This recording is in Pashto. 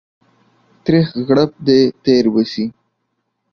تريخ غړپ دى تير به سي.